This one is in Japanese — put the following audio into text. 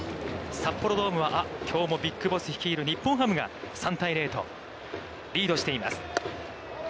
札幌ドームは、きょうもＢＩＧＢＯＳＳ率いる日本ハムが３対０とリードしています。